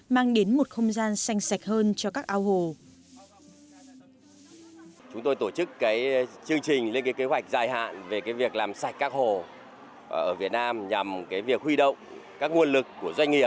mang đến một không gian xanh sạch hơn cho các ao hồ